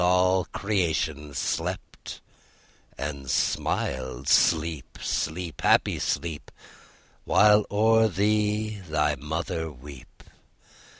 All creation slept and smiled. Sleep, sleep, happy sleep, While o'er thee thy mother weep.